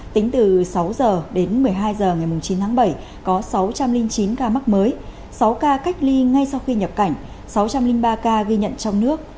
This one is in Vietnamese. tính từ sáu h đến một mươi hai h ngày chín tháng bảy có sáu trăm linh chín ca mắc mới sáu ca cách ly ngay sau khi nhập cảnh sáu trăm linh ba ca ghi nhận trong nước